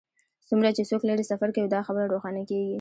څومره چې څوک لرې سفر کوي دا خبره روښانه کیږي